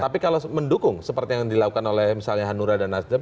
tapi kalau mendukung seperti yang dilakukan oleh misalnya hanura dan nasdem